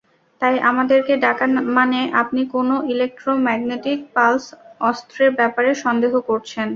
তাই, আমাদেরকে ডাকা মানে আপনি কোনও ইলেক্ট্রো ম্যাগনেটিক পালস অস্ত্রের ব্যাপারে সন্দেহ করছেন!